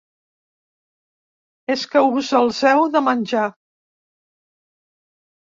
És que us els heu de menjar.